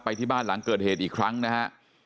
ที่บ้านหลังเกิดเหตุอีกครั้งนะฮะ